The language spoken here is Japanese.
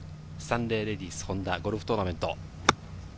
スタンレーレディスホンダゴルフトーナメント。